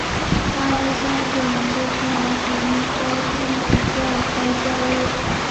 万历三十九年被称为杭州天主教开教日。